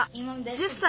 １０歳。